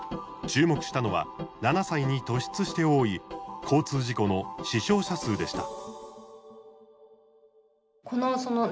注目したのは７歳に突出して多い交通事故の死傷者数でした。